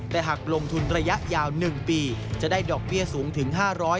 แต่หากลงทุนระยะยาว๑ปีจะได้ดอกเบี้ยสูงถึง๕๐๐